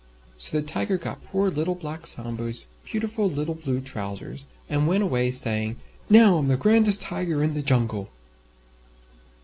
So the Tiger got poor Little Black Sambo's beautiful little Blue Trousers, and went away saying, "Now I'm the grandest Tiger in the Jungle."